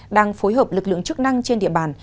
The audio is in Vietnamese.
đang phối hợp lực lượng chức năng trên địa bàn